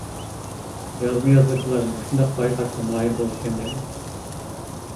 يازما يازغۇچىلار مۇشۇنداق بايقاشقا ماھىر بولسىكەن دەيمەن.